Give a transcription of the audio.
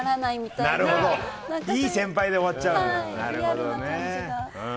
いい先輩で終わっちゃう、なるほど。